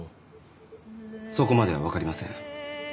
そこまでは分かりません。